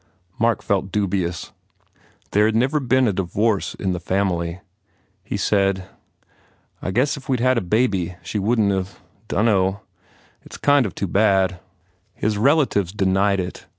Mark felt dubious. There had never been a divorce in the family. He said, "I guess if we d had a baby, she wouldn t of Dunno .... It s kind of too bad." His relatives denied it.